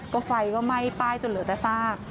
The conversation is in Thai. ก็ไฟก็ไหม้ป้ายจนเหลือแต่ซาก